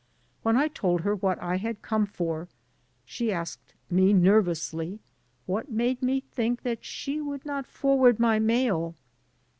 When I told her what I had come for she asked me nervously what made me think that she would not forward my mail.